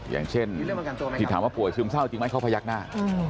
อย่างเช่นที่ถามว่าป่วยซึมเศร้าจริงไหมเขาพยักหน้า